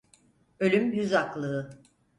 Ölüm yüz aklığı.